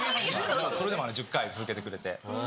それでも１０回続けてくれて。